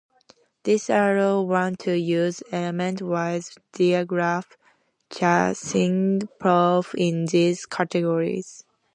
This allows one to use element-wise diagram chasing proofs in these categories.